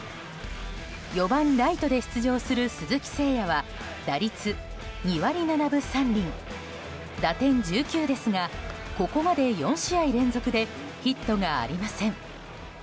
４番ライトで出場する鈴木誠也は打率２割７分３厘打点１９ですがここまで４試合連続でヒットがありません。